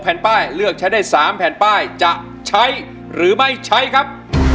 แผ่นป้ายเลือกใช้ได้๓แผ่นป้ายจะใช้หรือไม่ใช้ครับ